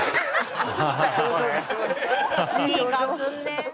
いい顔するね。